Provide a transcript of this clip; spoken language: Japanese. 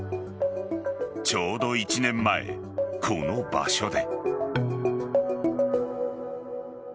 ちょうど１年前、この場所で。